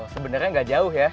sebenarnya gak jauh ya